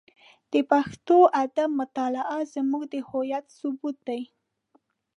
د پښتو ادب مطالعه زموږ د هویت ثبوت دی.